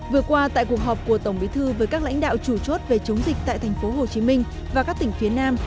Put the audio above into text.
vừa qua tại cuộc họp của tổng bí thư với các lãnh đạo chủ chốt về chống dịch tại tp hcm và các tỉnh phía nam